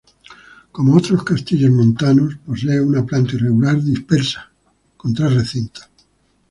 Como otros castillos montanos posee una planta irregular dispersa, con tres recintos.